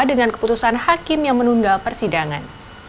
dengan keputusan hakim yang menunda persidangan